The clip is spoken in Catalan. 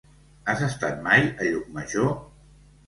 Has estat mai a Llucmajor?